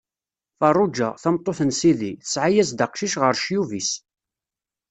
Feṛṛuǧa, tameṭṭut n sidi, tesɛa-as-d aqcic ɣer ccyub-is.